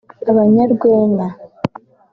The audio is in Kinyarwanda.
abanyarwenya